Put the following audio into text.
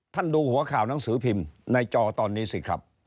ดูหัวข่าวหนังสือพิมพ์ในจอตอนนี้สิครับ